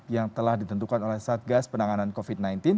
yang telah ditentukan oleh satgas penanganan covid sembilan belas